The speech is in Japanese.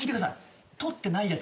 とってないやつ